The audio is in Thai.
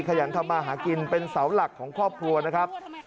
ขยันทำมาหากินเป็นเสาหลักของครอบครัวนะครับ